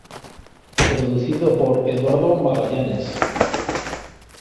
Producido por Eduardo Magallanes.